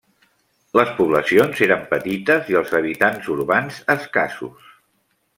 Les poblacions eren petites i els habitants urbans escassos.